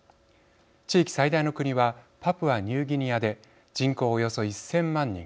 地域最大の国はパプアニューギニアで人口はおよそ１０００万人。